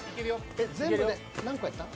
えっ全部で何個やった？